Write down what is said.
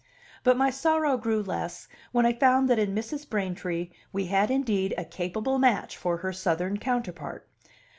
But my sorrow grew less when I found that in Mrs. Braintree we had indeed a capable match for her Southern counterpart.